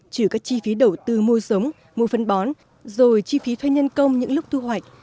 trừ các chi phí đầu tư mua sống mua phân bón rồi chi phí thuê nhân công những lúc thu hoạch